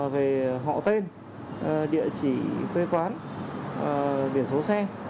về họ tên địa chỉ quê quán biển số xe